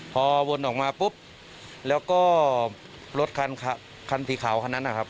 พอวนออกมาปุ๊บแล้วก็รถคันสีขาวคันนั้นนะครับ